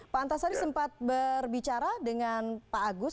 pak antasari sempat berbicara dengan pak agus